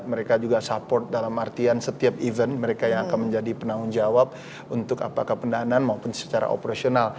mereka juga support dalam artian setiap event mereka yang akan menjadi penanggung jawab untuk apakah pendanaan maupun secara operasional